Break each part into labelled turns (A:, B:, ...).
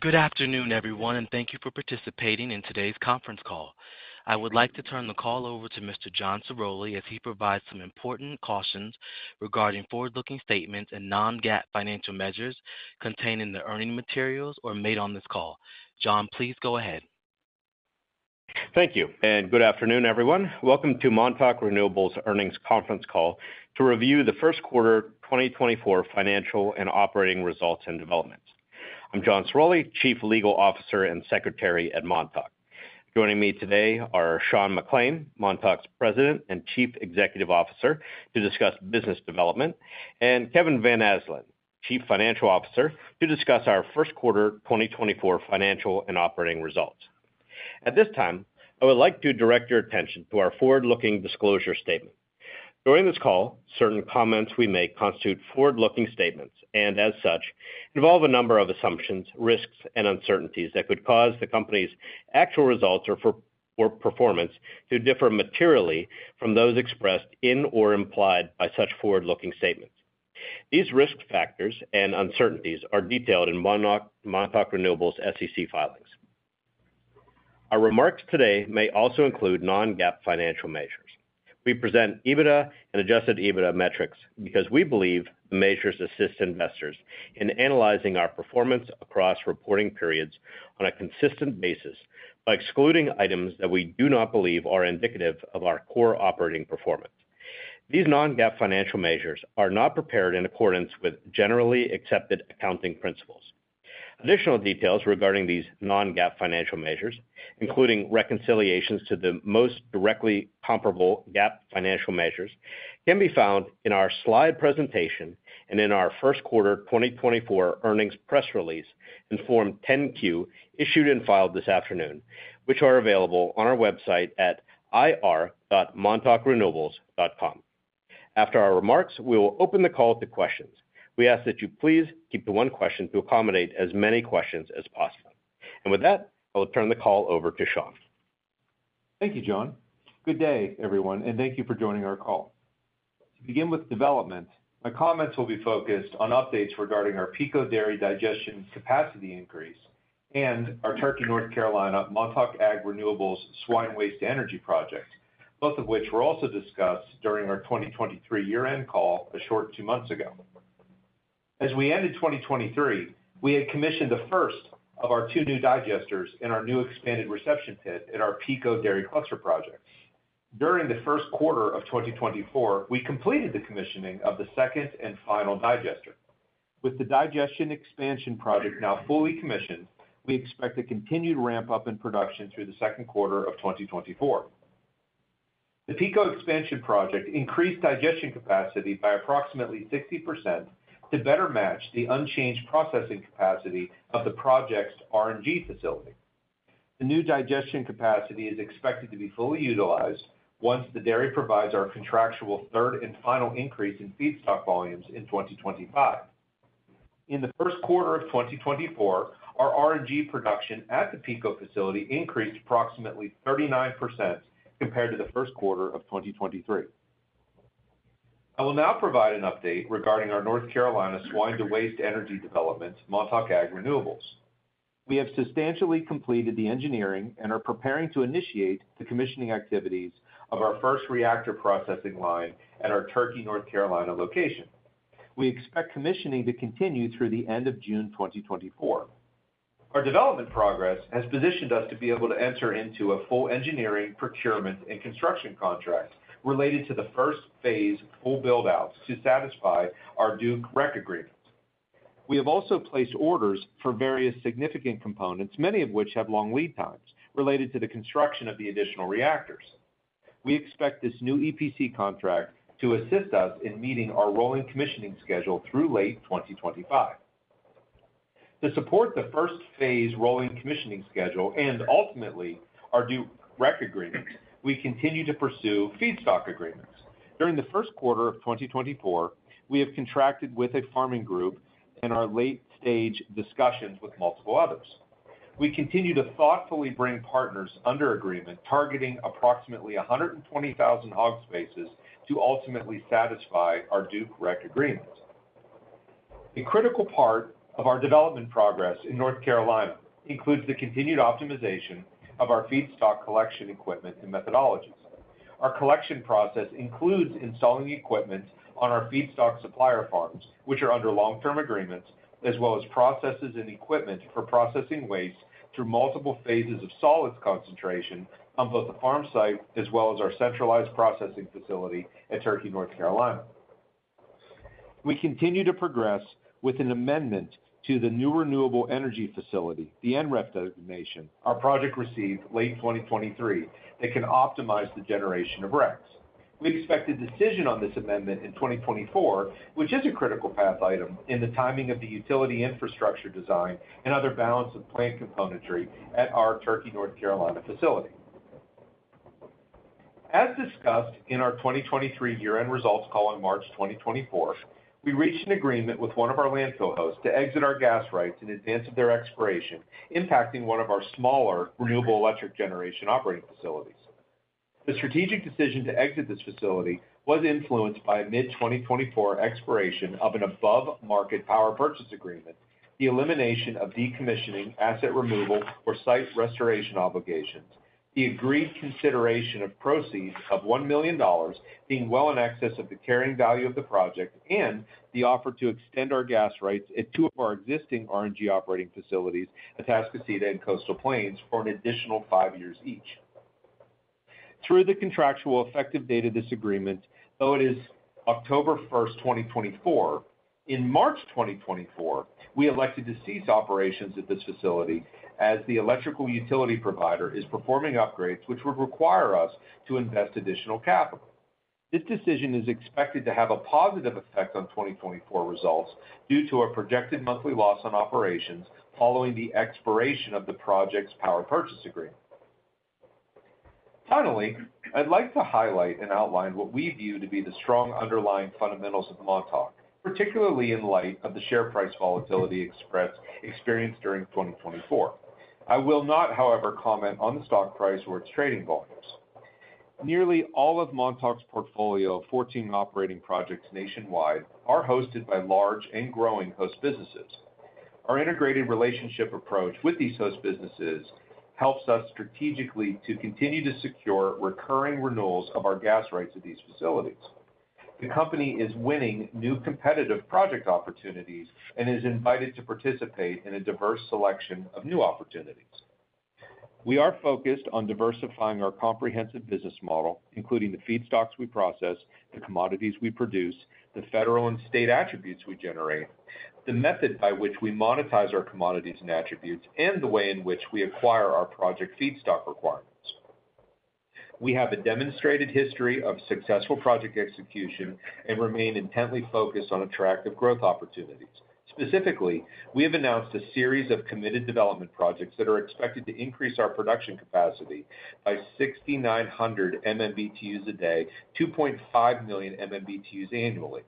A: Good afternoon, everyone, and thank you for participating in today's conference call. I would like to turn the call over to Mr. John Ciroli, as he provides some important cautions regarding forward-looking statements and non-GAAP financial measures contained in the earnings materials or made on this call. John, please go ahead.
B: Thank you, and good afternoon, everyone. Welcome to Montauk Renewables Earnings Conference Call to review the first quarter 2024 financial and operating results and developments. I'm John Ciroli, Chief Legal Officer and Secretary at Montauk. Joining me today are Sean McClain, Montauk's President and Chief Executive Officer, to discuss business development, and Kevin Van Asdalan, Chief Financial Officer, to discuss our first quarter 2024 financial and operating results. At this time, I would like to direct your attention to our forward-looking disclosure statement. During this call, certain comments we make constitute forward-looking statements, and as such, involve a number of assumptions, risks and uncertainties that could cause the Company's actual results or future performance to differ materially from those expressed in or implied by such forward-looking statements. These risk factors and uncertainties are detailed in Montauk Renewables' SEC filings. Our remarks today may also include non-GAAP financial measures. We present EBITDA and adjusted EBITDA metrics because we believe measures assist investors in analyzing our performance across reporting periods on a consistent basis by excluding items that we do not believe are indicative of our core operating performance. These non-GAAP financial measures are not prepared in accordance with generally accepted accounting principles. Additional details regarding these non-GAAP financial measures, including reconciliations to the most directly comparable GAAP financial measures, can be found in our slide presentation and in our first quarter 2024 earnings press release in Form 10-Q, issued and filed this afternoon, which are available on our website at ir.montaukrenewables.com. After our remarks, we will open the call to questions. We ask that you please keep to one question to accommodate as many questions as possible. With that, I will turn the call over to Sean.
C: Thank you, John. Good day, everyone, and thank you for joining our call. To begin with development, my comments will be focused on updates regarding our Pico Dairy digestion capacity increase and our Turkey, North Carolina, Montauk Ag Renewables swine waste energy project, both of which were also discussed during our 2023 year-end call, a short 2 months ago. As we ended 2023, we had commissioned the first of our 2 new digesters in our new expanded reception pit at our Pico Dairy Cluster project. During the first quarter of 2024, we completed the commissioning of the second and final digester. With the digestion expansion project now fully commissioned, we expect a continued ramp-up in production through the second quarter of 2024. The Pico expansion project increased digestion capacity by approximately 60% to better match the unchanged processing capacity of the project's RNG facility. The new digestion capacity is expected to be fully utilized once the dairy provides our contractual third and final increase in feedstock volumes in 2025. In the first quarter of 2024, our RNG production at the Pico facility increased approximately 39% compared to the first quarter of 2023. I will now provide an update regarding our North Carolina swine waste energy development, Montauk Ag Renewables. We have substantially completed the engineering and are preparing to initiate the commissioning activities of our first reactor processing line at our Turkey, North Carolina, location. We expect commissioning to continue through the end of June 2024. Our development progress has positioned us to be able to enter into a full engineering, procurement, and construction contract related to the first phase full build-outs to satisfy our Duke REC agreements. We have also placed orders for various significant components, many of which have long lead times, related to the construction of the additional reactors. We expect this new EPC contract to assist us in meeting our rolling commissioning schedule through late 2025. To support the first phase rolling commissioning schedule and ultimately our Duke REC agreements, we continue to pursue feedstock agreements. During the first quarter of 2024, we have contracted with a farming group in our late-stage discussions with multiple others. We continue to thoughtfully bring partners under agreement, targeting approximately 120,000 hog spaces to ultimately satisfy our Duke REC agreement. A critical part of our development progress in North Carolina includes the continued optimization of our feedstock collection equipment and methodologies. Our collection process includes installing equipment on our feedstock supplier farms, which are under long-term agreements, as well as processes and equipment for processing waste through multiple phases of solids concentration on both the farm site as well as our centralized processing facility at Turkey, North Carolina. We continue to progress with an amendment to the New Renewable Energy Facility, the NREF designation, our project received late 2023, that can optimize the generation of RECs. We expect a decision on this amendment in 2024, which is a critical path item in the timing of the utility infrastructure design and other balance of plant componentry at our Turkey, North Carolina, facility. As discussed in our 2023 year-end results call in March 2024, we reached an agreement with one of our landfill hosts to exit our gas rights in advance of their expiration, impacting 1 of our smaller renewable electric generation operating facilities... The strategic decision to exit this facility was influenced by a mid-2024 expiration of an above-market power purchase agreement, the elimination of decommissioning, asset removal, or site restoration obligations, the agreed consideration of proceeds of $1 million being well in excess of the carrying value of the project, and the offer to extend our gas rights at 2 of our existing RNG operating facilities, Atascocita and Coastal Plains, for an additional 5 years each. Through the contractual effective date of this agreement, though it is October 1, 2024, in March 2024, we elected to cease operations at this facility as the electrical utility provider is performing upgrades, which would require us to invest additional capital. This decision is expected to have a positive effect on 2024 results due to a projected monthly loss on operations following the expiration of the project's power purchase agreement. Finally, I'd like to highlight and outline what we view to be the strong underlying fundamentals of Montauk, particularly in light of the share price volatility experienced during 2024. I will not, however, comment on the stock price or its trading volumes. Nearly all of Montauk's portfolio of 14 operating projects nationwide are hosted by large and growing host businesses. Our integrated relationship approach with these host businesses helps us strategically to continue to secure recurring renewals of our gas rights at these facilities. The company is winning new competitive project opportunities and is invited to participate in a diverse selection of new opportunities. We are focused on diversifying our comprehensive business model, including the feedstocks we process, the commodities we produce, the federal and state attributes we generate, the method by which we monetize our commodities and attributes, and the way in which we acquire our project feedstock requirements. We have a demonstrated history of successful project execution and remain intently focused on attractive growth opportunities. Specifically, we have announced a series of committed development projects that are expected to increase our production capacity by 6,900 MMBtu a day, 2.5 million MMBtu annually,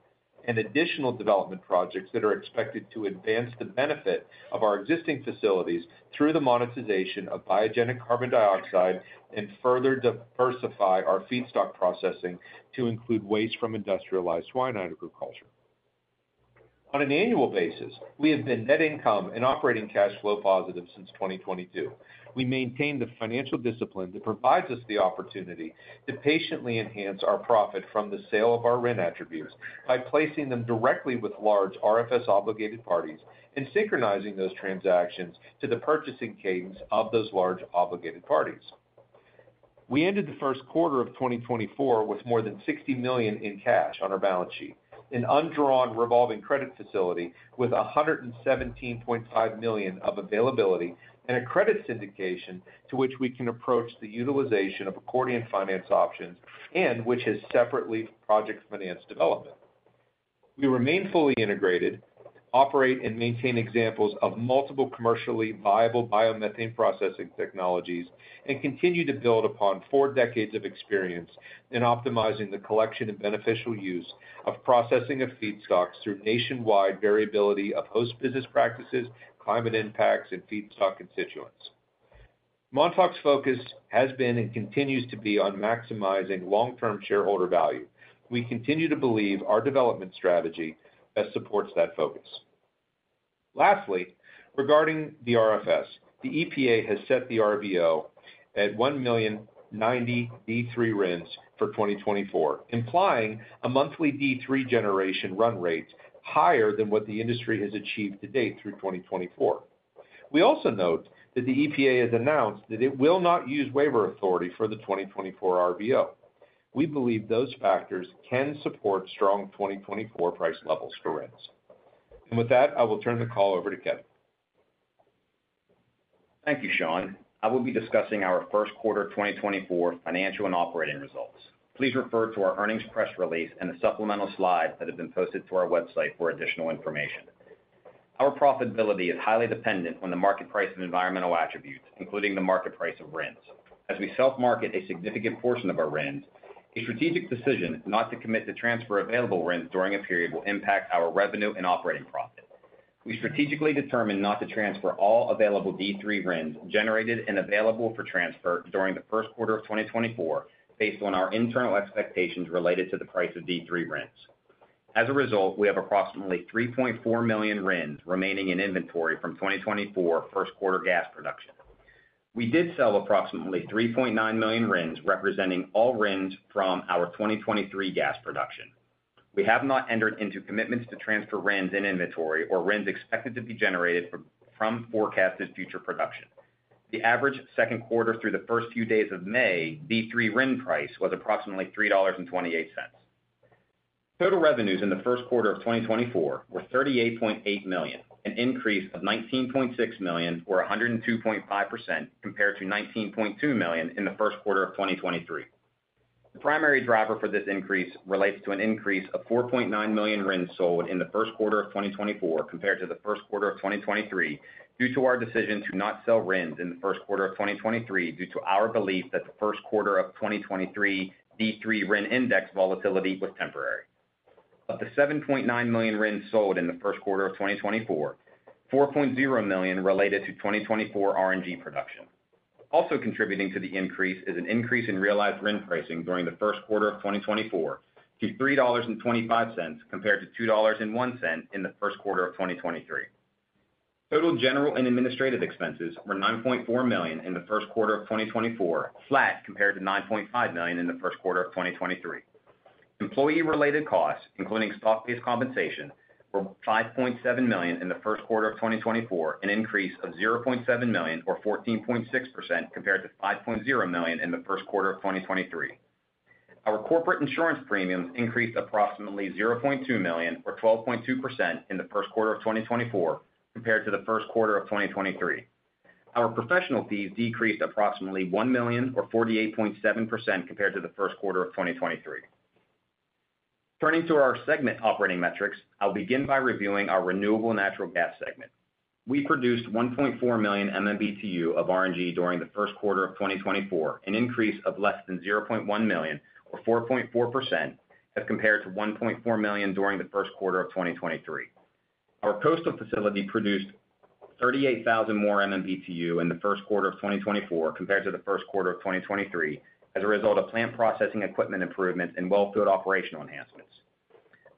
C: and additional development projects that are expected to advance the benefit of our existing facilities through the monetization of biogenic carbon dioxide and further diversify our feedstock processing to include waste from industrialized swine agriculture. On an annual basis, we have been net income and operating cash flow positive since 2022. We maintain the financial discipline that provides us the opportunity to patiently enhance our profit from the sale of our RIN attributes by placing them directly with large RFS-obligated parties and synchronizing those transactions to the purchasing cadence of those large obligated parties. We ended the first quarter of 2024 with more than $60 million in cash on our balance sheet, an undrawn revolving credit facility with $117.5 million of availability, and a credit syndication to which we can approach the utilization of accordion finance options and which has separately project finance development. We remain fully integrated, operate and maintain examples of multiple commercially viable biomethane processing technologies, and continue to build upon 4 decades of experience in optimizing the collection and beneficial use of processing of feedstocks through nationwide variability of host business practices, climate impacts, and feedstock constituents. Montauk's focus has been and continues to be on maximizing long-term shareholder value. We continue to believe our development strategy best supports that focus. Lastly, regarding the RFS, the EPA has set the RVO at 1.09 billion D3 RINs for 2024, implying a monthly D3 generation run rate higher than what the industry has achieved to date through 2024. We also note that the EPA has announced that it will not use waiver authority for the 2024 RVO. We believe those factors can support strong 2024 price levels for RINs. And with that, I will turn the call over to Kevin.
D: Thank you, Sean. I will be discussing our first quarter 2024 financial and operating results. Please refer to our earnings press release and the supplemental slides that have been posted to our website for additional information. Our profitability is highly dependent on the market price of environmental attributes, including the market price of RINs. As we self-market a significant portion of our RINs, a strategic decision not to commit to transfer available RINs during a period will impact our revenue and operating profit. We strategically determined not to transfer all available D3 RINs generated and available for transfer during the first quarter of 2024 based on our internal expectations related to the price of D3 RINs. As a result, we have approximately 3.4 million RINs remaining in inventory from 2024 first quarter gas production. We did sell approximately 3.9 million RINs, representing all RINs from our 2023 gas production. We have not entered into commitments to transfer RINs in inventory or RINs expected to be generated from forecasted future production. The average second quarter through the first few days of May, D3 RIN price was approximately $3.28. Total revenues in the first quarter of 2024 were $38.8 million, an increase of $19.6 million, or 102.5%, compared to $19.2 million in the first quarter of 2023. The primary driver for this increase relates to an increase of 4.9 million RINs sold in the first quarter of 2024 compared to the first quarter of 2023, due to our decision to not sell RINs in the first quarter of 2023, due to our belief that the first quarter of 2023 D3 RIN index volatility was temporary. Of the 7.9 million RINs sold in the first quarter of 2024, 4.0 million related to 2024 RNG production. Also contributing to the increase is an increase in realized RIN pricing during the first quarter of 2024 to $3.25, compared to $2.01 in the first quarter of 2023. Total general and administrative expenses were $9.4 million in the first quarter of 2024, flat compared to $9.5 million in the first quarter of 2023. Employee-related costs, including stock-based compensation, were $5.7 million in the first quarter of 2024, an increase of $0.7 million, or 14.6%, compared to $5.0 million in the first quarter of 2023. Our corporate insurance premiums increased approximately $0.2 million, or 12.2%, in the first quarter of 2024 compared to the first quarter of 2023. Our professional fees decreased approximately $1 million, or 48.7%, compared to the first quarter of 2023. Turning to our segment operating metrics, I'll begin by reviewing our renewable natural gas segment. We produced 1.4 million MMBtu of RNG during the first quarter of 2024, an increase of less than 0.1 million, or 4.4%, as compared to 1.4 million during the first quarter of 2023. Our Coastal facility produced 38,000 more MMBtu in the first quarter of 2024 compared to the first quarter of 2023, as a result of plant processing equipment improvements and wellfield operational enhancements.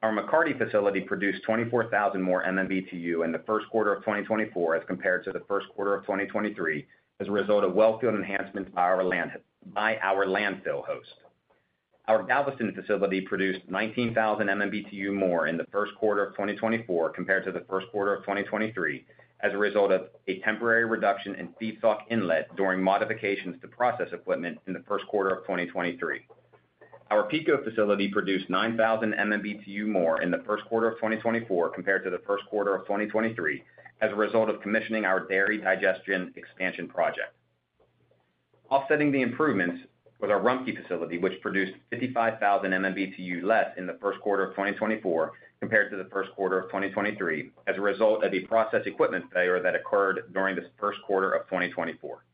D: Our McCarty facility produced 24,000 more MMBtu in the first quarter of 2024 as compared to the first quarter of 2023, as a result of wellfield enhancements by our landfill host. Our Galveston facility produced 19,000 MMBtu more in the first quarter of 2024 compared to the first quarter of 2023, as a result of a temporary reduction in feedstock inlet during modifications to process equipment in the first quarter of 2023. Our Pico facility produced 9,000 MMBtu more in the first quarter of 2024 compared to the first quarter of 2023, as a result of commissioning our dairy digestion expansion project. Offsetting the improvements with our Rumpke facility, which produced 55,000 MMBtu less in the first quarter of 2024 compared to the first quarter of 2023, as a result of a process equipment failure that occurred during the first quarter of 2024.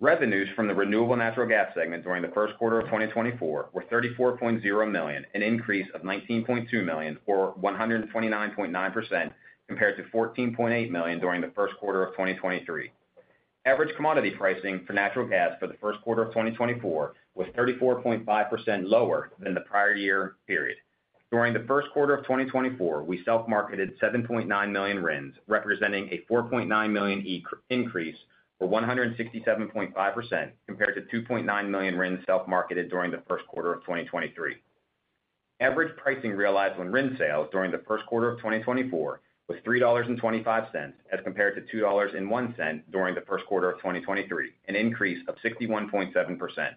D: Revenues from the renewable natural gas segment during the first quarter of 2024 were $34.0 million, an increase of $19.2 million, or 129.9%, compared to $14.8 million during the first quarter of 2023. Average commodity pricing for natural gas for the first quarter of 2024 was 34.5% lower than the prior year period. During the first quarter of 2024, we self-marketed 7.9 million RINs, representing a 4.9 million increase, or 167.5%, compared to 2.9 million RINs self-marketed during the first quarter of 2023. Average pricing realized on RIN sales during the first quarter of 2024 was $3.25, as compared to $2.01 during the first quarter of 2023, an increase of 61.7%.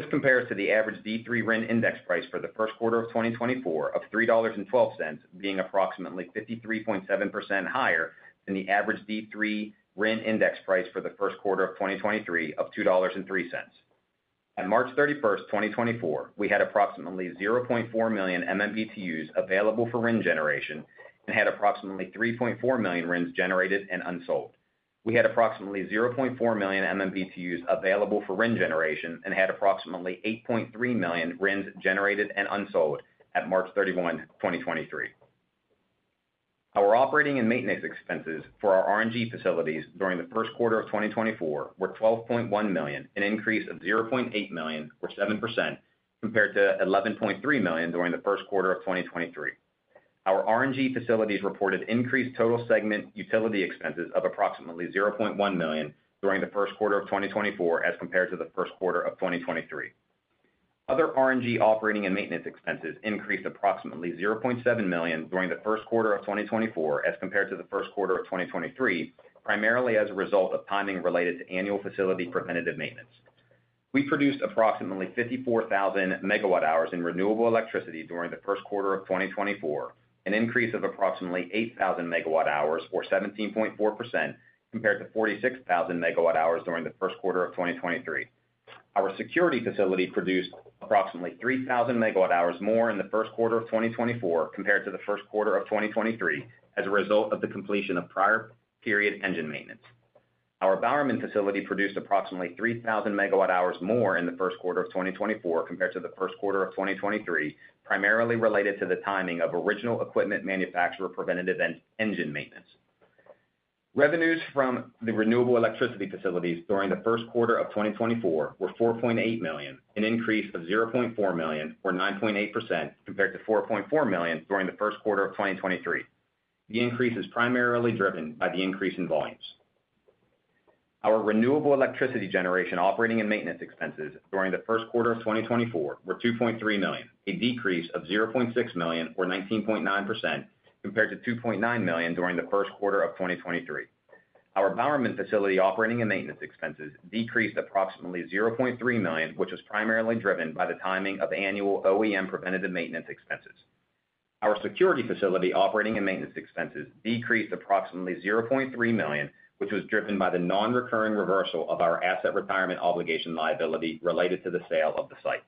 D: This compares to the average D3 RIN index price for the first quarter of 2024 of $3.12, being approximately 53.7% higher than the average D3 RIN index price for the first quarter of 2023 of $2.03. On March 31, 2024, we had approximately 0.4 million MMBtus available for RIN generation and had approximately 3.4 million RINs generated and unsold. We had approximately 0.4 million MMBtus available for RIN generation and had approximately 8.3 million RINs generated and unsold at March 31, 2023. Our operating and maintenance expenses for our RNG facilities during the first quarter of 2024 were $12.1 million, an increase of $0.8 million, or 7%, compared to $11.3 million during the first quarter of 2023. Our RNG facilities reported increased total segment utility expenses of approximately $0.1 million during the first quarter of 2024 as compared to the first quarter of 2023. Other RNG operating and maintenance expenses increased approximately $0.7 million during the first quarter of 2024 as compared to the first quarter of 2023, primarily as a result of timing related to annual facility preventative maintenance. We produced approximately 54,000 MWh in renewable electricity during the first quarter of 2024, an increase of approximately 8,000 MWh, or 17.4%, compared to 46,000 MWh during the first quarter of 2023. Our Security facility produced approximately 3,000 MWh more in the first quarter of 2024 compared to the first quarter of 2023, as a result of the completion of prior period engine maintenance. Our Bowerman facility produced approximately 3,000 MWh more in the first quarter of 2024 compared to the first quarter of 2023, primarily related to the timing of original equipment manufacturer preventative engine maintenance. Revenues from the renewable electricity facilities during the first quarter of 2024 were $4.8 million, an increase of $0.4 million, or 9.8%, compared to $4.4 million during the first quarter of 2023. The increase is primarily driven by the increase in volumes. Our renewable electricity generation operating and maintenance expenses during the first quarter of 2024 were $2.3 million, a decrease of $0.6 million, or 19.9%, compared to $2.9 million during the first quarter of 2023. Our Bowerman facility operating and maintenance expenses decreased approximately $0.3 million, which was primarily driven by the timing of annual OEM preventative maintenance expenses. Our Security facility operating and maintenance expenses decreased approximately $0.3 million, which was driven by the non-recurring reversal of our asset retirement obligation liability related to the sale of the site.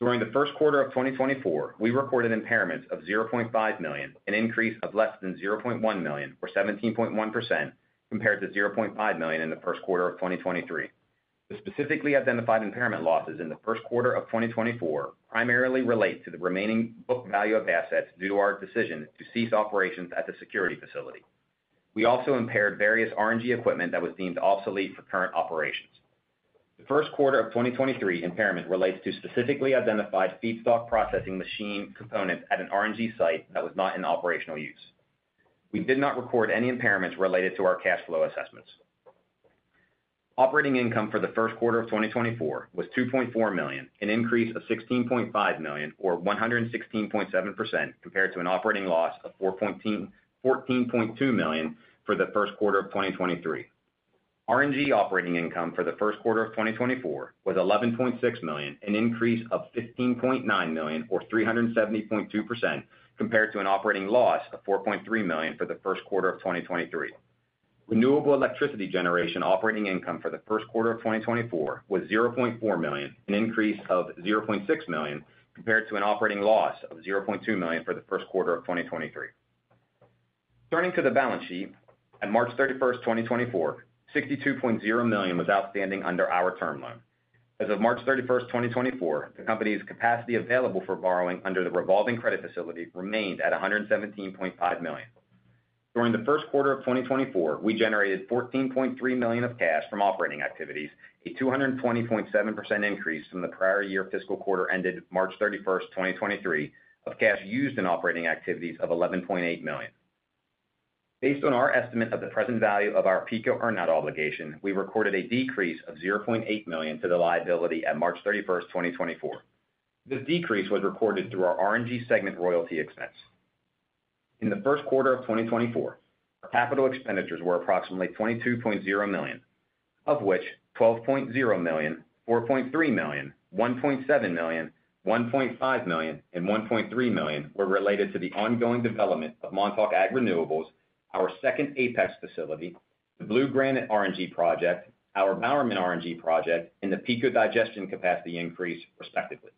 D: During the first quarter of 2024, we recorded impairments of $0.5 million, an increase of less than $0.1 million, or 17.1%, compared to $0.5 million in the first quarter of 2023. The specifically identified impairment losses in the first quarter of 2024 primarily relate to the remaining book value of assets due to our decision to cease operations at the Security facility. We also impaired various RNG equipment that was deemed obsolete for current operations. The first quarter of 2023 impairment relates to specifically identified feedstock processing machine components at an RNG site that was not in operational use. We did not record any impairments related to our cash flow assessments. Operating income for the first quarter of 2024 was $2.4 million, an increase of $16.5 million or 116.7% compared to an operating loss of $14.2 million for the first quarter of 2023. RNG operating income for the first quarter of 2024 was $11.6 million, an increase of $15.9 million or 370.2% compared to an operating loss of $4.3 million for the first quarter of 2023. Renewable electricity generation operating income for the first quarter of 2024 was $0.4 million, an increase of $0.6 million compared to an operating loss of $0.2 million for the first quarter of 2023. Turning to the balance sheet, at March 31, 2024, $62.0 million was outstanding under our term loan. As of March 31, 2024, the company's capacity available for borrowing under the revolving credit facility remained at $117.5 million. During the first quarter of 2024, we generated $14.3 million of cash from operating activities, a 220.7% increase from the prior year fiscal quarter ended March 31, 2023, of cash used in operating activities of $11.8 million. Based on our estimate of the present value of our Pico earnout obligation, we recorded a decrease of $0.8 million to the liability at March 31, 2024. This decrease was recorded through our RNG segment royalty expense. In the first quarter of 2024, our capital expenditures were approximately $22.0 million, of which $12.0 million, $4.3 million, $1.7 million, $1.5 million, and $1.3 million were related to the ongoing development of Montauk Ag Renewables, our second Apex facility, the Blue Granite RNG project, our Bowerman RNG project, and the Pico digestion capacity increase, respectively.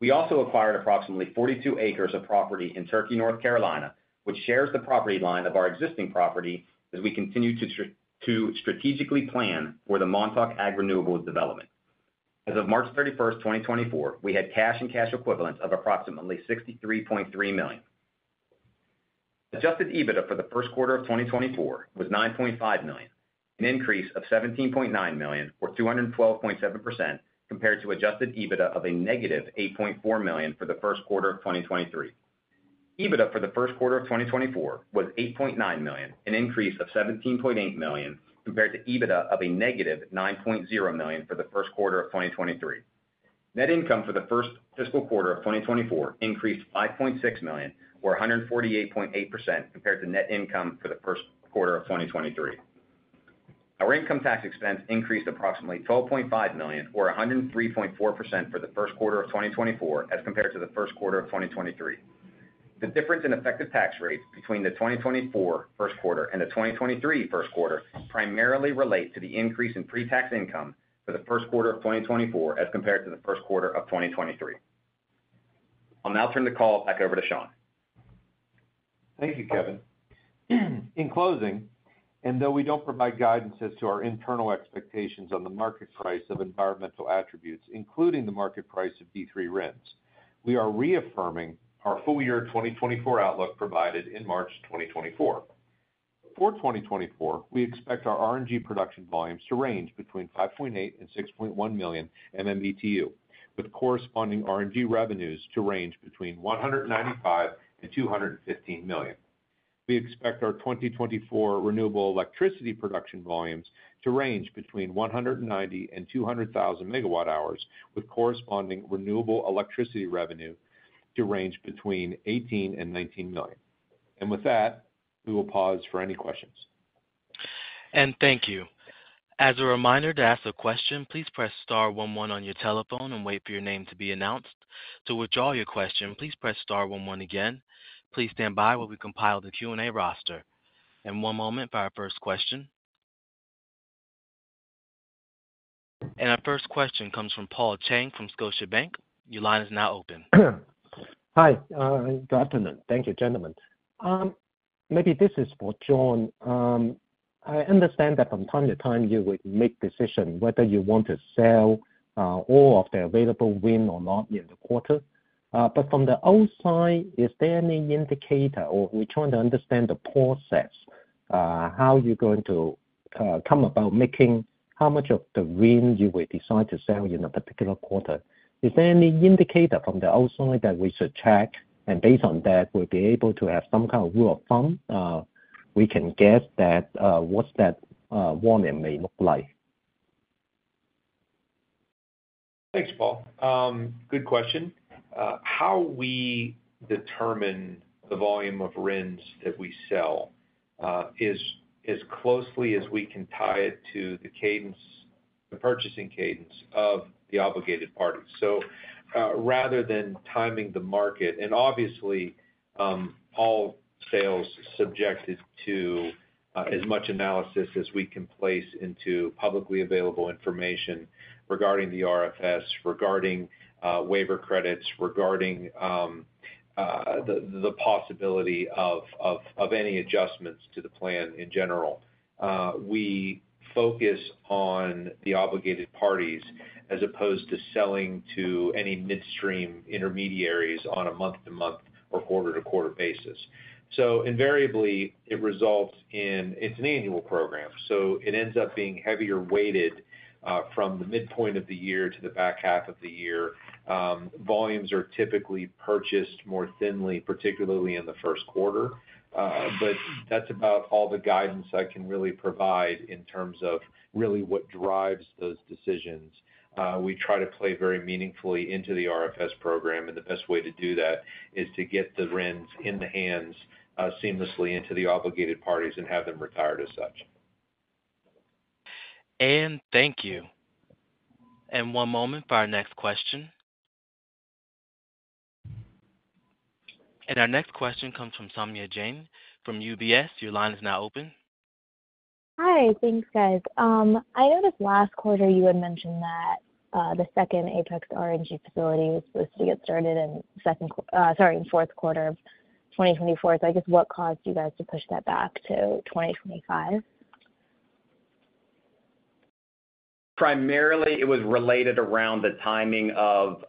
D: We also acquired approximately 42 acres of property in Turkey, North Carolina, which shares the property line of our existing property as we continue to strategically plan for the Montauk Ag Renewables development. As of March 31, 2024, we had cash and cash equivalents of approximately $63.3 million. Adjusted EBITDA for the first quarter of 2024 was $9.5 million, an increase of $17.9 million or 212.7% compared to adjusted EBITDA of a negative $8.4 million for the first quarter of 2023. EBITDA for the first quarter of 2024 was $8.9 million, an increase of $17.8 million compared to EBITDA of a negative $9.0 million for the first quarter of 2023. Net income for the first fiscal quarter of 2024 increased $5.6 million or 148.8% compared to net income for the first quarter of 2023. Our income tax expense increased approximately $12.5 million or 103.4% for the first quarter of 2024 as compared to the first quarter of 2023. The difference in effective tax rates between the 2024 first quarter and the 2023 first quarter primarily relate to the increase in pre-tax income for the first quarter of 2024 as compared to the first quarter of 2023. I'll now turn the call back over to Sean.
C: Thank you, Kevin. In closing, and though we don't provide guidance as to our internal expectations on the market price of environmental attributes, including the market price of D3 RINs, we are reaffirming our full year 2024 outlook provided in March 2024. For 2024, we expect our RNG production volumes to range between 5.8-6.1 million MMBtu, with corresponding RNG revenues to range between $195 million-$215 million. We expect our 2024 renewable electricity production volumes to range between 190,000-200,000 MWh, with corresponding renewable electricity revenue to range between $18 million-$19 million. With that, we will pause for any questions.
A: Thank you. As a reminder to ask a question, please press star one one on your telephone and wait for your name to be announced. To withdraw your question, please press star one one again. Please stand by while we compile the Q&A roster. One moment for our first question. Our first question comes from Paul Cheng from Scotiabank. Your line is now open.
E: Hi, good afternoon. Thank you, gentlemen. Maybe this is for John. I understand that from time to time, you would make decision whether you want to sell all of the available RIN or not in the quarter. But from the outside, is there any indicator or we trying to understand the process, how you're going to come about making how much of the RIN you will decide to sell in a particular quarter? Is there any indicator from the outside that we should check, and based on that, we'll be able to have some kind of rule of thumb, we can guess that, what's that, volume may look like?
C: Thanks, Paul. Good question. How we determine the volume of RINs that we sell is as closely as we can tie it to the cadence, the purchasing cadence of the obligated parties. So, rather than timing the market, and obviously, all sales subjected to as much analysis as we can place into publicly available information regarding the RFS, regarding waiver credits, regarding...
D: the possibility of any adjustments to the plan in general. We focus on the obligated parties as opposed to selling to any midstream intermediaries on a month-to-month or quarter-to-quarter basis. So invariably, it results in. It's an annual program, so it ends up being heavier weighted from the midpoint of the year to the back half of the year. Volumes are typically purchased more thinly, particularly in the first quarter. But that's about all the guidance I can really provide in terms of really what drives those decisions. We try to play very meaningfully into the RFS program, and the best way to do that is to get the RINs in the hands seamlessly into the obligated parties and have them retired as such.
A: Thank you. One moment for our next question. Our next question comes from Saumya Jain from UBS. Your line is now open.
F: Hi. Thanks, guys. I noticed last quarter you had mentioned that the second Apex RNG facility was supposed to get started in fourth quarter of 2024. So I guess, what caused you guys to push that back to 2025?
D: Primarily, it was related around the timing of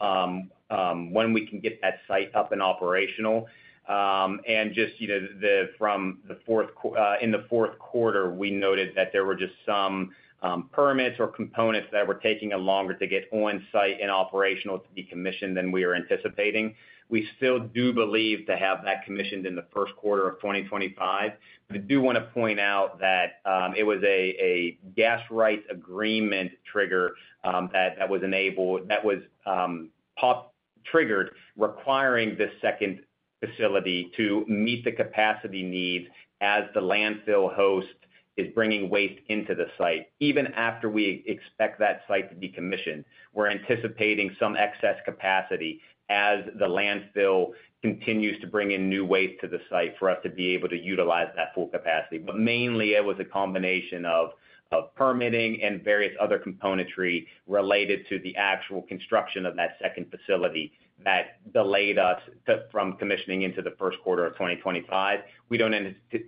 D: when we can get that site up and operational. And just, you know, from the fourth quarter, we noted that there were just some permits or components that were taking a longer to get on site and operational to be commissioned than we were anticipating. We still do believe to have that commissioned in the first quarter of 2025. But I do want to point out that it was a gas rights agreement trigger that was triggered, requiring this second facility to meet the capacity needs as the landfill host is bringing waste into the site. Even after we expect that site to be commissioned, we're anticipating some excess capacity as the landfill continues to bring in new waste to the site for us to be able to utilize that full capacity. But mainly, it was a combination of permitting and various other componentry related to the actual construction of that second facility that delayed us from commissioning into the first quarter of 2025. We don't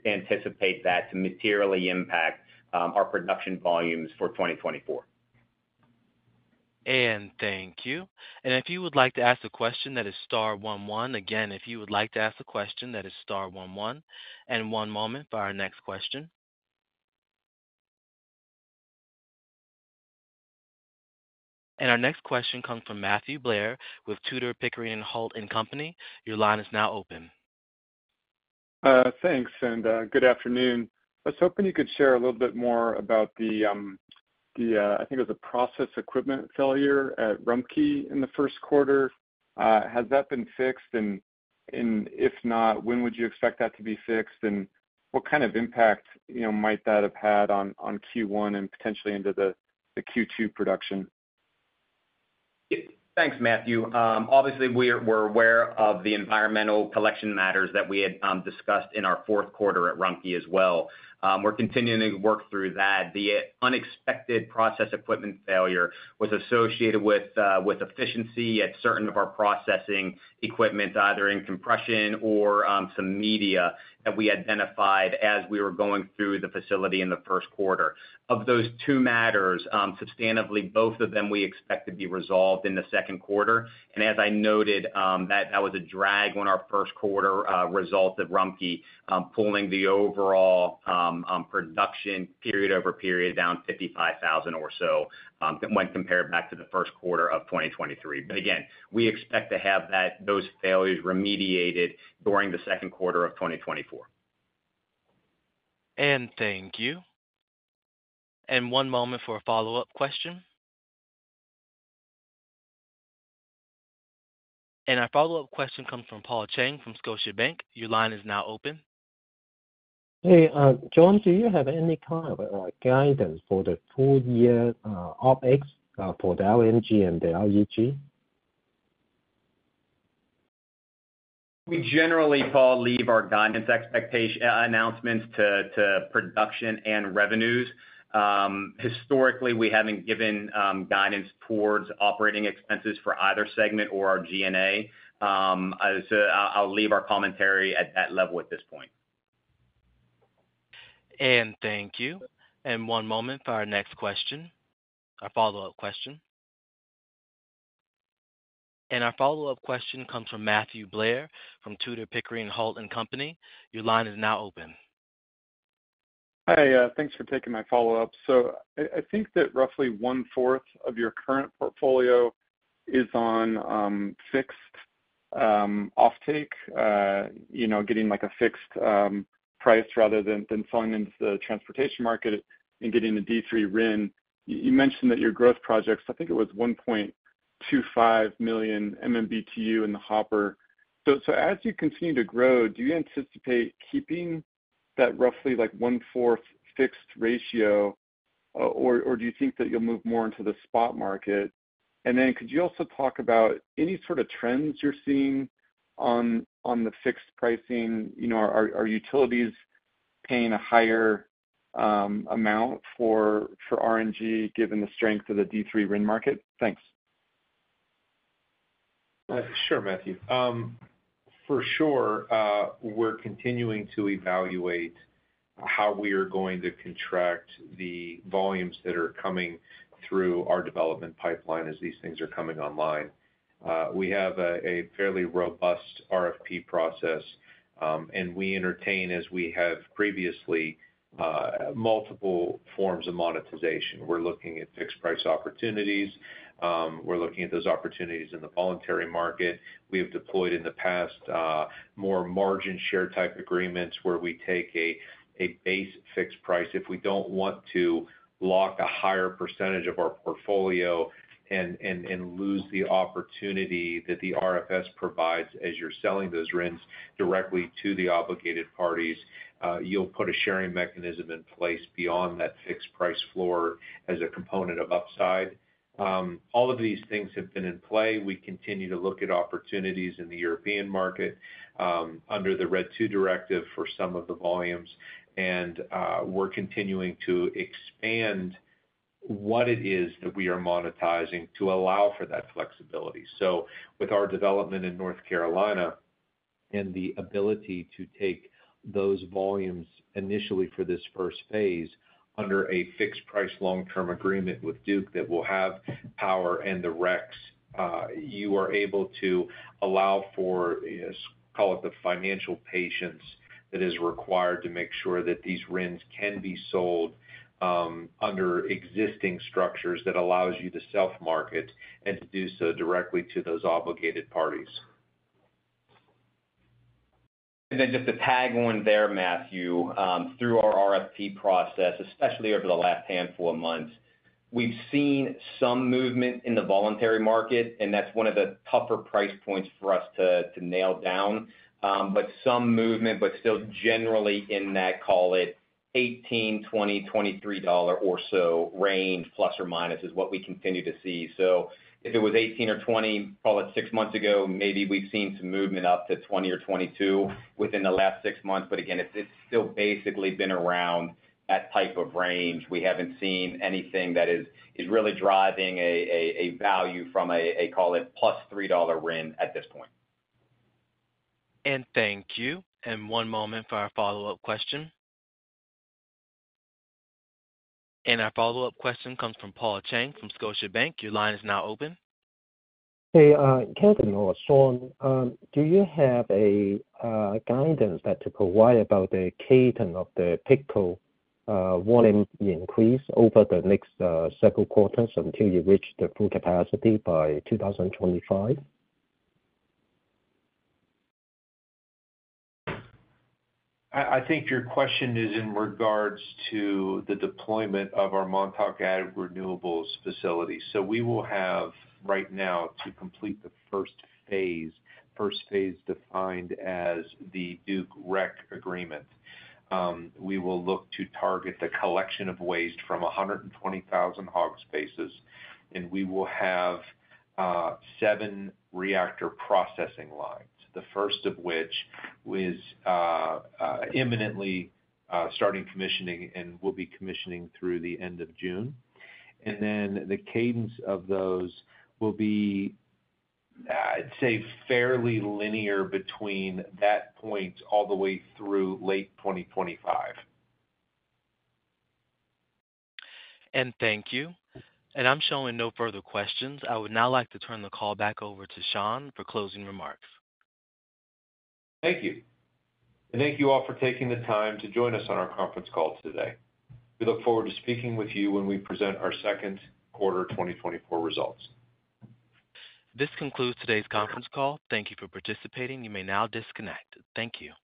D: anticipate that to materially impact our production volumes for 2024.
A: Thank you. If you would like to ask a question, that is star one one. Again, if you would like to ask a question, that is star one one. One moment for our next question. Our next question comes from Matthew Blair with Tudor, Pickering, Holt & Co. Your line is now open.
G: Thanks, and good afternoon. I was hoping you could share a little bit more about, I think it was a process equipment failure at Rumpke in the first quarter. Has that been fixed? And if not, when would you expect that to be fixed, and what kind of impact, you know, might that have had on Q1 and potentially into the Q2 production?
D: Thanks, Matthew. Obviously, we're aware of the environmental collection matters that we had discussed in our fourth quarter at Rumpke as well. We're continuing to work through that. The unexpected process equipment failure was associated with efficiency at certain of our processing equipment, either in compression or some media that we identified as we were going through the facility in the first quarter. Of those two matters, substantively, both of them, we expect to be resolved in the second quarter. And as I noted, that was a drag on our first quarter result at Rumpke, pulling the overall production period-over-period down 55,000 or so, when compared back to the first quarter of 2023. But again, we expect to have those failures remediated during the second quarter of 2024.
A: Thank you. One moment for a follow-up question. Our follow-up question comes from Paul Cheng from Scotiabank. Your line is now open.
E: Hey, John, do you have any kind of guidance for the full year OpEx for the LNG and the LUG?
D: We generally, Paul, leave our guidance expectations announcements to production and revenues. Historically, we haven't given guidance towards operating expenses for either segment or our GNA. So I'll leave our commentary at that level at this point.
A: Thank you. One moment for our next question, or follow-up question. Our follow-up question comes from Matthew Blair, from Tudor, Pickering, Holt & Co. Your line is now open.
G: Hi, thanks for taking my follow-up. So I think that roughly one-fourth of your current portfolio is on fixed offtake, you know, getting, like, a fixed price rather than selling into the transportation market and getting the D3 RIN. You mentioned that your growth projects, I think it was 1.25 million MMBtu in the hopper. So as you continue to grow, do you anticipate keeping that roughly, like, one-fourth fixed ratio, or do you think that you'll move more into the spot market? And then could you also talk about any sort of trends you're seeing on the fixed pricing? You know, are utilities paying a higher amount for RNG, given the strength of the D3 RIN market? Thanks.
C: Sure, Matthew. For sure, we're continuing to evaluate how we are going to contract the volumes that are coming through our development pipeline as these things are coming online. We have a fairly robust RFP process, and we entertain, as we have previously, multiple forms of monetization. We're looking at fixed price opportunities, we're looking at those opportunities in the voluntary market. We have deployed in the past more margin share type agreements, where we take a base fixed price. If we don't want to lock a higher percentage of our portfolio and lose the opportunity that the RFS provides as you're selling those RINs directly to the obligated parties, you'll put a sharing mechanism in place beyond that fixed price floor as a component of upside. All of these things have been in play. We continue to look at opportunities in the European market, under the RED II directive for some of the volumes, and, we're continuing to expand what it is that we are monetizing to allow for that flexibility. So with our development in North Carolina and the ability to take those volumes initially for this first phase under a fixed price long-term agreement with Duke that will have power and the RECs, you are able to allow for, call it the financial patience that is required to make sure that these RINs can be sold, under existing structures that allows you to self-market and to do so directly to those obligated parties.
D: And then just to tag on there, Matthew, through our RFP process, especially over the last handful of months, we've seen some movement in the voluntary market, and that's one of the tougher price points for us to nail down. But some movement, but still generally in that, call it $18, $20, $23 or so range, plus or minus, is what we continue to see. So if it was $18 or $20, call it six months ago, maybe we've seen some movement up to $20 or $22 within the last six months. But again, it's still basically been around that type of range. We haven't seen anything that is really driving a value from a call it +$3 RIN at this point.
A: Thank you. One moment for our follow-up question. Our follow-up question comes from Paul Cheng from Scotiabank. Your line is now open.
E: Hey, Kevin or Sean, do you have a guidance that to provide about the cadence of the Pico volume increase over the next several quarters until you reach the full capacity by 2025?
C: I think your question is in regards to the deployment of our Montauk Ag Renewables facility. So we will have, right now, to complete the first phase, first phase defined as the Duke REC agreement. We will look to target the collection of waste from 120,000 hog spaces, and we will have seven reactor processing lines, the first of which is imminently starting commissioning and will be commissioning through the end of June. And then the cadence of those will be, I'd say fairly linear between that point all the way through late 2025.
A: Thank you. I'm showing no further questions. I would now like to turn the call back over to Sean for closing remarks.
C: Thank you. Thank you all for taking the time to join us on our conference call today. We look forward to speaking with you when we present our second quarter 2024 results.
A: This concludes today's conference call. Thank you for participating. You may now disconnect. Thank you.